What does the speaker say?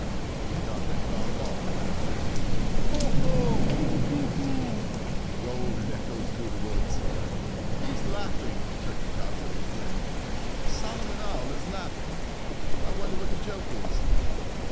He had not been gone long when a noisy "haw haw hoo hoo" rolled and echoed through the woods. "He's laughing!" Turkey Proudfoot exclaimed. "Solomon Owl is laughing. I wonder what the joke is."